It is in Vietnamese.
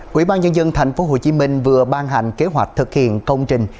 quỹ ban nhân dân tp hcm vừa ban hành kế hoạch thực hiện công trình